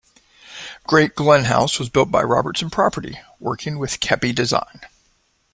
Great Glen House was built by Robertson Property, working with Keppie Design.